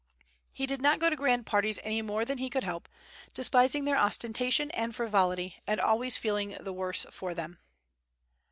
He did not go to grand parties any more than he could help, despising their ostentation and frivolity, and always feeling the worse for them.